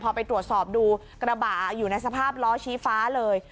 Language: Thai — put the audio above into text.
พอไปตรวจสอบดูกระบะอยู่ในสภาพล้อชี้ฟ้าเลย